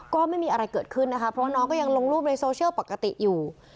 ก็ไม่มีอะไรเกิดขึ้นนะคะเพราะว่าน้องก็ยังลงรูปในโซเชียลปกติอยู่